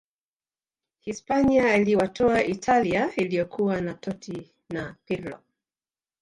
hispania iliwatoa italia iliyokuwa na totti na pirlo